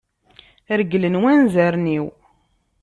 Reglen wanzaren-iw.